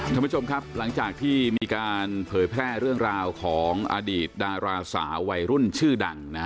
ท่านผู้ชมครับหลังจากที่มีการเผยแพร่เรื่องราวของอดีตดาราสาววัยรุ่นชื่อดังนะฮะ